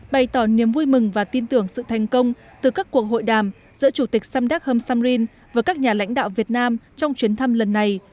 bày tỏ niềm vui mừng và tin tưởng sự thành công từ các cuộc hội đàm giữa chủ tịch samdak hem samrin và các nhà lãnh đạo việt nam trong chuyến thăm lần này